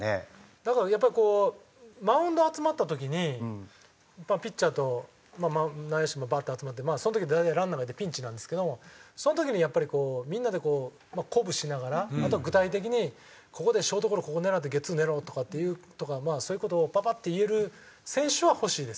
だからやっぱりこうマウンド集まった時にピッチャーと内野手もバーッと集まってその時って大体ランナーが出てピンチなんですけどもその時にやっぱりこうみんなで鼓舞しながらあとは具体的にここでショートゴロここ狙ってゲッツー狙おうとかっていうまあそういう事をパパッて言える選手は欲しいですよね。